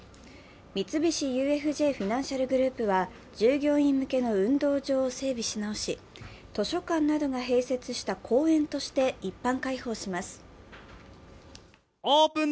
三菱ＵＦＪフィナンシャル・グループは従業員向けの運動場を整備し直し図書館などが併設した公園として一般開放します。